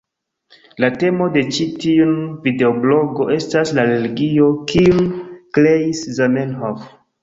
La temo de ĉi tiun videoblogo estas la religio kiun kreis Zamenhof.